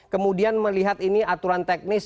kemudian melihat ini aturan teknis